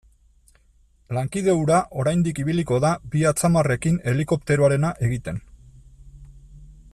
Lankide hura oraindik ibiliko da bi atzamarrekin helikopteroarena egiten.